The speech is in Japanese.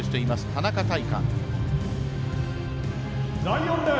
田中大寛。